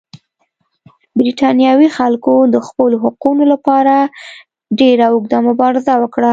برېټانوي خلکو د خپلو حقونو لپاره ډېره اوږده مبارزه وکړه.